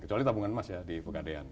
tidak boleh di pekadean